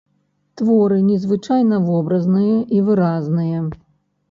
Творы незвычайна вобразныя і выразныя.